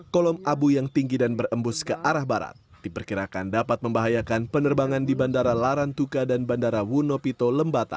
kolom abu yang tinggi dan berembus ke arah barat diperkirakan dapat membahayakan penerbangan di bandara larantuka dan bandara wunopito lembata